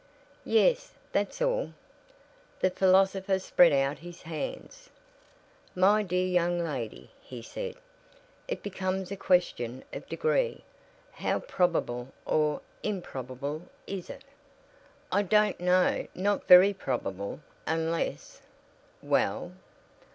"Yes, that's all." The philosopher spread out his hands. "My dear young lady," he said, "it becomes a question of degree. How probable or improbable is it?" "I don't know; not very probable unless " "Well?"